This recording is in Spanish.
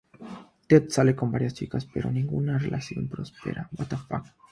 Ted sale con varias chicas pero ninguna relación prospera.